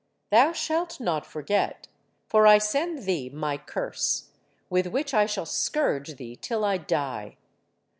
Thou shalt not forget. For I send thee my curse, with which I shall scourge thee till I die.